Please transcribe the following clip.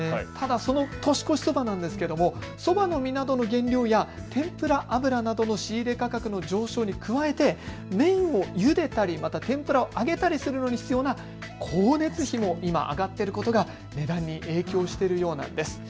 その年越しそばなんですがそばの実などの原料や天ぷら油などの仕入れ価格の上昇に加えて麺をゆでたり天ぷらを揚げたりするのに必要な光熱費も今、上がっていることが値段に影響しているようなんです。